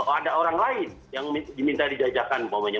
ada orang lain yang diminta dijajakan